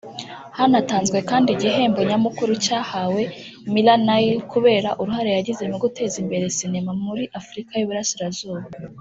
Hanatanzwe kandi igihembo nyamukuru cyahawe Mira Nair kubera uruhare yagize mu guteza imbere sinema muri Afurika y’Uburasirazuba